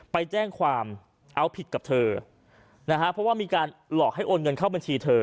ไปแจ้งความเอาผิดกับเธอนะฮะเพราะว่ามีการหลอกให้โอนเงินเข้าบัญชีเธอ